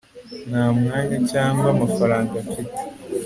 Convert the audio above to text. nta mwanya cyangwa amafaranga mfite